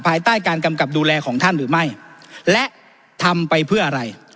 ภายใต้การกำกับดูแลของท่านหรือไม่และทำไปเพื่ออะไร